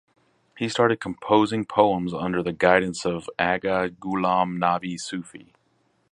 He started composing poems under the guidance of Agha Ghulam Nabi Sufi.